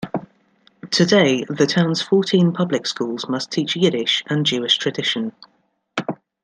Today, the town's fourteen public schools must teach Yiddish and Jewish tradition.